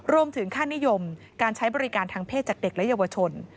รวมถึงค่านิยมการใช้บริการทางเพศจากเด็กและเยาวชน